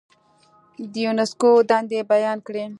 د یونسکو دندې بیان کړئ.